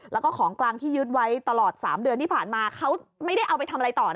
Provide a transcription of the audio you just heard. แล้วก็ของกลางที่ยึดไว้ตลอด๓เดือนที่ผ่านมาเขาไม่ได้เอาไปทำอะไรต่อนะ